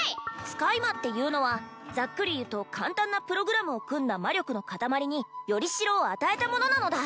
使い魔っていうのはざっくり言うと簡単なプログラムを組んだ魔力の塊によりしろを与えたものなのだ